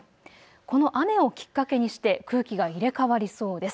この雨をきっかけにして空気が入れ代わりそうです。